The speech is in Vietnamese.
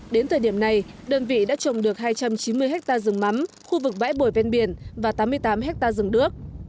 đến thời điểm này đơn vị đã trồng được hai trăm chín mươi ha rừng mắm khu vực bãi bồi ven biển và tám mươi tám hectare rừng đước